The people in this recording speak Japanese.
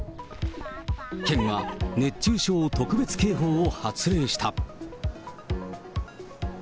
県は熱中症特別警報を発令した。